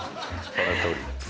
そのとおりです